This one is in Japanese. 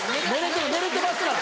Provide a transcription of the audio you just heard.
寝れてますから！